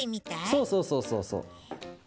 そうそうそうそうそう。